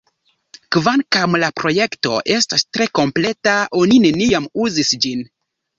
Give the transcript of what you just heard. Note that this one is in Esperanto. Kvankam la projekto estas tre kompleta, oni neniam uzis ĝin.